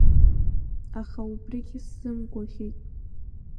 Аха убригьы сзымгәаӷьит.